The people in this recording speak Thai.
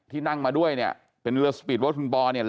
นั่งมาด้วยเนี่ยเป็นเรือสปีดเวอร์คุณบอลเนี่ย